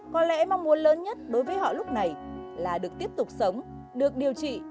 có lẽ mong muốn lớn nhất đối với họ lúc này là được tiếp tục sống được điều trị